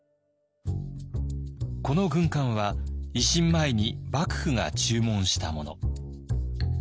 この軍艦は維新前に幕府が注文したもの。